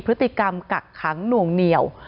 พฤติกรรมกักขังหน่วงเหนียว